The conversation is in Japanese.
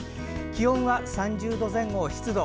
気温は３０度前後、湿度７５％。